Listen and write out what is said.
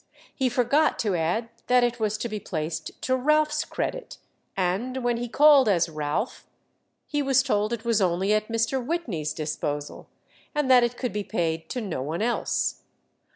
He forgot to add that it was to be placed to Ralph's credit, and when he called as Ralph, he was told it was only at Mr. Whitney's disposal, and that it could be paid to no one else.